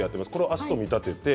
足と見立てます。